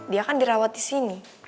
dia kan dirawat di sini